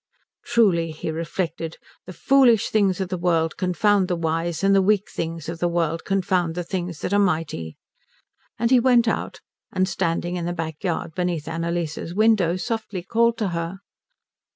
"Truly," he reflected, "the foolish things of the world confound the wise, and the weak things of the world confound the things that are mighty." And he went out, and standing in the back yard beneath Annalise's window softly called to her.